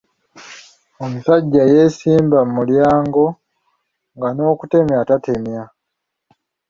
Omusajja yeesimba mu mulyango nga n’okutemya tatemya.